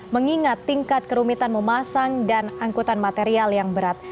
mengingat tingkat kerumitan memasang dan angkutan material yang berat